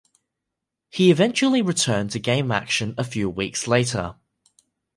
He eventually returned to game action a few weeks later.